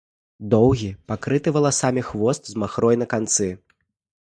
Доўгі, пакрыты валасамі, хвост з махрой на канцы.